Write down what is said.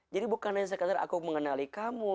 jadi bukan hanya saya mengenali kamu